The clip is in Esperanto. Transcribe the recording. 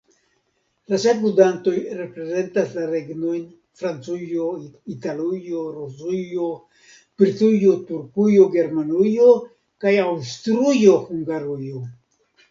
La sep ludantoj reprezentas la regnojn Francujo, Italujo, Rusujo, Britujo, Turkujo, Germanujo kaj Aŭstrujo-Hungarujo.